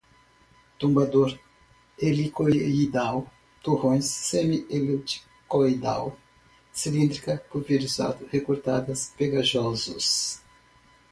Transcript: tombador, helicoidal, torrões, semi-helicoidal, cilíndrica, pulverizado, recortadas, pegajosos